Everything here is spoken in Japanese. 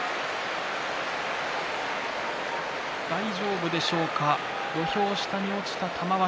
大丈夫でしょうか土俵下に落ちた玉鷲。